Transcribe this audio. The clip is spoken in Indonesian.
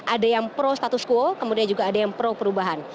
ada yang pro status quo kemudian juga ada yang pro perubahan